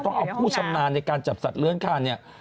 ต้องเอาผู้ชำนาญในการจับสัตว์เลื้อนข้า